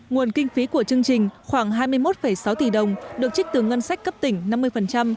nguồn kinh phí của chương trình khoảng hai mươi một sáu tỷ đồng được trích từ ngân sách cấp tỉnh năm mươi